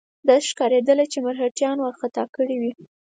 داسې ښکارېدله چې مرهټیان وارخطا کړي وي.